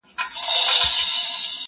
شاوخوا یې بیا پر قبر ماجر جوړ کئ,